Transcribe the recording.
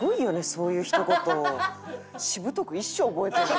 そういうひと言をしぶとく一生覚えてんねや。